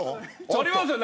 ありますよ。